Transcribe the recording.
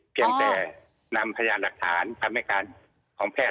เพียงแต่นำพยานหลักฐานคำให้การของแพทย์